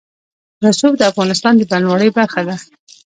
رسوب د افغانستان د بڼوالۍ برخه ده.